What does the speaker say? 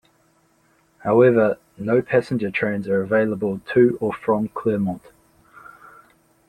However, no passenger trains are available to or from Clermont.